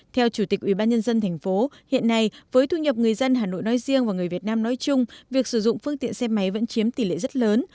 theo chủ tịch ủy ban nhân dân thành phố hiện nay với thu nhập người dân hà nội nói riêng và người việt nam nói chung việc sử dụng phương tiện xe máy vẫn chiếm tỷ lệ rất lớn